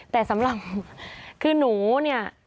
แต่สำหรับคือหนูเนี่ย